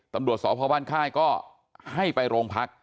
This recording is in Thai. ตำรวจสพบ้านค่ายก็ให้ไปโรงพัก